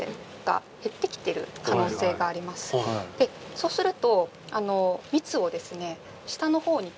そうすると。